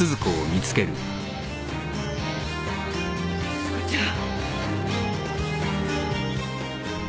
鈴子ちゃん。